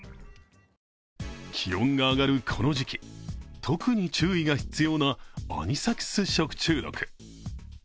気温が上がるこの時期、特に注意が必要なアニサキス食中毒。